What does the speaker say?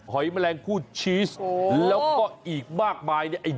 อยแมลงผู้ชีสแล้วก็อีกมากมายเนี่ยไอ้